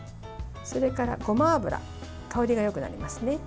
それから、ごま油香りがよくなりますね。